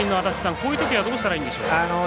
こういうときはどうしたらいいんでしょう？